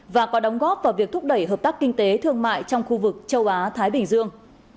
và có đóng góp vào việc thúc đẩy hợp tác kinh tế thương mại trong khu vực châu á thái bình dương